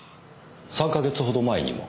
３か月ほど前にも？